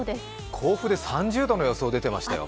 甲府で３０度の予想が出てましたよ。